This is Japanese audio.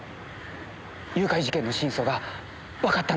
誘拐事件の真相がわかったんです！